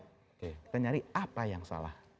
kita harus cari apa yang salah